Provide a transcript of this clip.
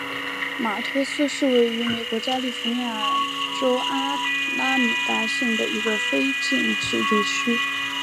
马托斯是位于美国加利福尼亚州阿拉米达县的一个非建制地区。